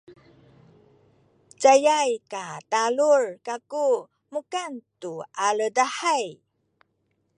cayay katalul kaku mukan tu aledahay